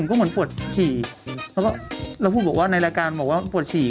ไม่มีต้องกินน้ำเยอะก็ปวดฉี่